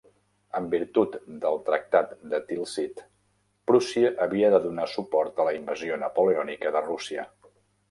En virtut del Tractat de Tilsit, Prússia havia de donar suport a la invasió napoleònica de Rússia.